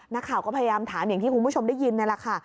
นักข่าวก็พยายามถามอย่างที่คุณผู้ชมได้ยินนี่แหละค่ะ